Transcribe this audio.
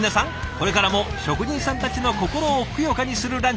これからも職人さんたちの心をふくよかにするランチ